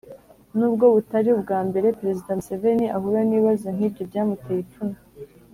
nubwo butari ubwa mbere perezida museveni ahura n'ibibazo nk'ibyo byamuteye ipfunwe,